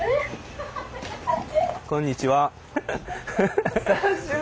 こんにちは。